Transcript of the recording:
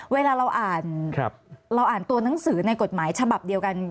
เวลาเราอ่านเราอ่านตัวหนังสือในกฎหมายฉบับเดียวกัน